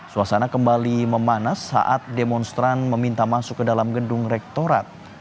suasana kembali memanas saat demonstran meminta masuk ke dalam gedung rektorat